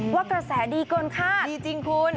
ว่ากระแสดีเกินค่ะดีจริงคุณ